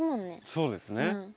そうですね。